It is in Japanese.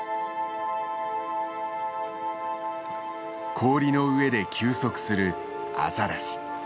氷の上で休息するアザラシ。